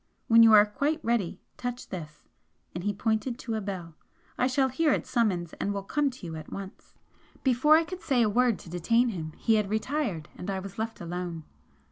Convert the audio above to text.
When you are quite ready touch this" and he pointed to a bell "I shall hear its summons and will come to you at once." Before I could say a word to detain him, he had retired, and I was left alone.